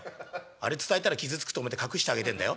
「あれ伝えたら傷つくと思って隠してあげてんだよ？」。